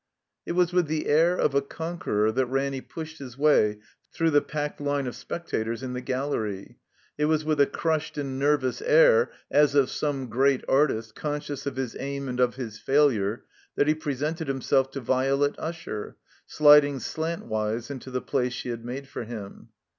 It was with the air of a conqueror that Ranny pushed his way through the packed line of spectators in the gallery. It was with a crushed and nervous air, as of some great artist, conscious of his aim and of his failiu^, that he presented himself to Violet Usher, sliding slantwise into the place she made for him.